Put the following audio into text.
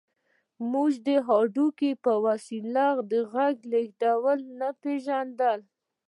موږ د هډوکي په وسیله د غږ لېږد نه پېژانده